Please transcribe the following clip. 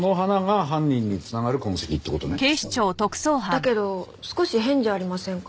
だけど少し変じゃありませんか？